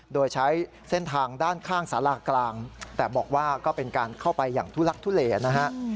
โดยใช้เส้นทางด้านข้างสารากลางแต่บอกว่าก็เป็นการเข้าไปอย่างทุลักทุเลนะฮะ